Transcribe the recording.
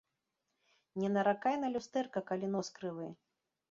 Не наракай на люстэрка, калі нос крывы